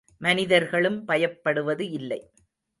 மனிதர்களும் பயப்படுவது இல்லை.